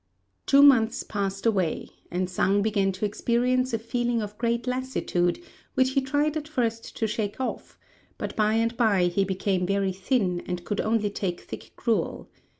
Two months passed away, and Sang began to experience a feeling of great lassitude, which he tried at first to shake off, but by and by he became very thin, and could only take thick gruel.